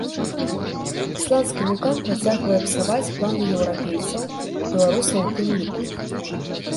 Ісландскі вулкан працягвае псаваць планы еўрапейцаў, і беларусаў у тым ліку.